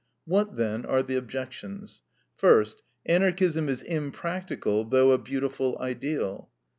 What, then, are the objections? First, Anarchism is impractical, though a beautiful ideal.